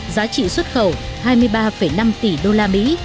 giá trị xuất khẩu hai mươi ba năm tỷ usd